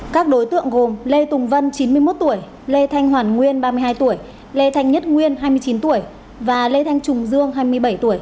các đối tượng gồm lê tùng vân chín mươi một tuổi lê thanh hoàn nguyên ba mươi hai tuổi lê thanh nhất nguyên hai mươi chín tuổi và lê thanh trùng dương hai mươi bảy tuổi